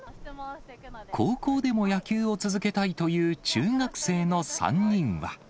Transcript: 高校でも野球を続けたいという中学生の３人は。